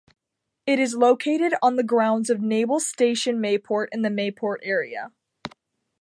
It is located on the grounds of Naval Station Mayport in the Mayport area.